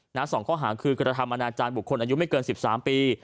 สองข้อหาคือกระทำอนาจารย์บุคคลอายุไม่เกิน๑๓ปี